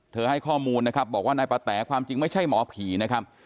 ให้ข้อมูลนะครับบอกว่านายปะแต๋ความจริงไม่ใช่หมอผีนะครับ